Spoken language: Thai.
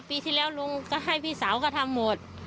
ปีที่แล้วลุงก็ให้พี่สาวก็ทำหมด